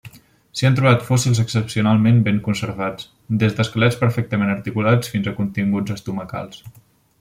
S'hi han trobat fòssils excepcionalment ben conservats, des d'esquelets perfectament articulats fins a continguts estomacals.